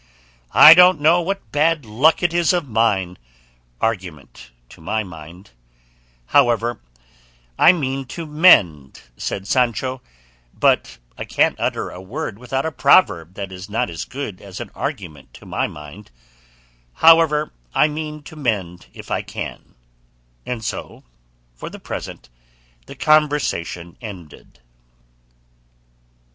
"I don't know what bad luck it is of mine," said Sancho, "but I can't utter a word without a proverb that is not as good as an argument to my mind; however, I mean to mend if I can;" and so for the present the conversation ended.